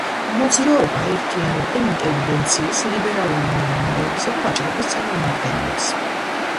მოძრაობა აერთიანებდა ინტელიგენციის, ლიბერალური მემამულეებისა და ვაჭრების წარმომადგენლებს.